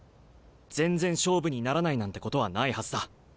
全然勝負にならないなんてことはないはずだ。